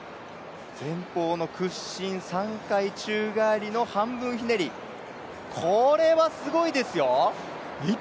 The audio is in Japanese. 前方の屈伸３回宙返りの半分ひねり、これは、すごいですよ！